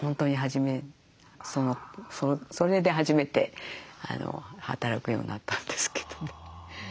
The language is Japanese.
それで初めて働くようになったんですけどね。